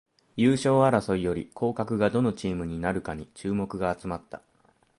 優勝争いより降格がどのチームになるかに注目が集まった